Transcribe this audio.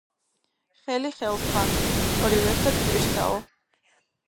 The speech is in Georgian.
ხელი ხელს ბანს, ორივე ერთად − პირსაო.